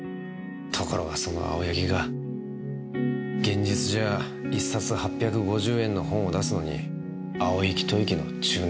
ところがその青柳が現実じゃあ１冊８５０円の本を出すのに青息吐息の中年男。